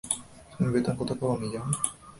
তুমি বেতন কত পাও নিজাম?